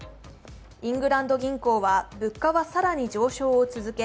イングランド銀行は物価は更に上昇を続け